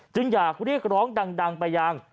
จึงอยากเรียกร้องดังไปยัง